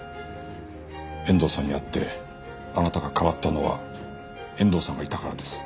遠藤さんに会ってあなたが変わったのは遠藤さんがいたからです。